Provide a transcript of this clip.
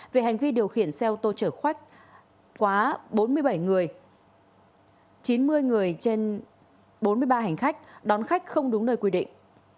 về hành vi điều khiển xe ô tô chở quách quá bốn mươi bảy người chín mươi người trên bốn mươi ba hành khách đón khách không đúng nơi quy định